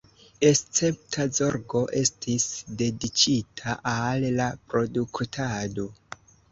Escepta zorgo estis dediĉita al la produktado.